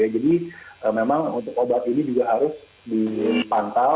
jadi memang untuk obat ini juga harus dipantau dan diselesaikan oleh dokter dalam penggunaannya